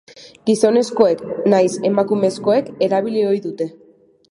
Gizonezkoek nahiz emakumezkoek erabili ohi dute.